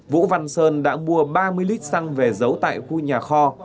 vũ văn sơn đã mua ba mươi lít xăng về giấu tại khu nhà kho